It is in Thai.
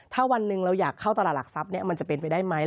ถ้าวันหนึ่งเราอยากเข้าตลาดหลักทรัพย์มันจะเป็นไปได้ไหม